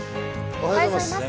おはようございます。